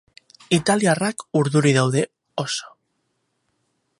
Italiarrak urduri daude oso.